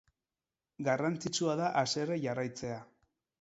Garrantzitsua da haserre jarraitzea.